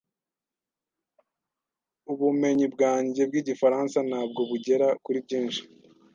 Ubumenyi bwanjye bw'igifaransa ntabwo bugera kuri byinshi.